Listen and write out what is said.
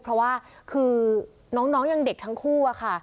เพราะว่าคือน้องยังเด็กทั้งคู่อะค่ะ